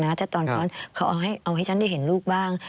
ดังนั้นถ้าตอนนั้นเขาเอาให้ฉันได้เห็นลูกบ้าง